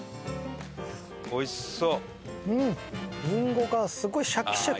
おいしそう！